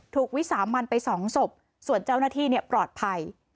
วิสามันไปสองศพส่วนเจ้าหน้าที่ปลอดภัย